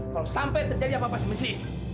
kalau sampai terjadi apa apa sama si iis